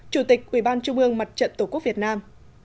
chủ tịch ubnd mặt trận tổ quốc việt nam